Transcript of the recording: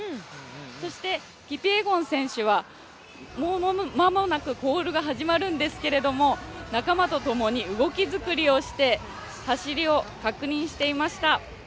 そして、キピエゴン選手はもう間もなくコールが始まるんですけど、仲間とともに動きづくりをして走りを確認していました。